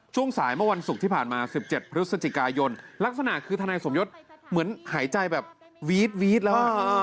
ช่วงสายเมื่อวันศุกร์ที่ผ่านมา๑๗พฤศจิกายนลักษณะคือทนายสมยศเหมือนหายใจแบบวีดแล้ว